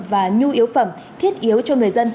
và nhu yếu phẩm thiết yếu cho người dân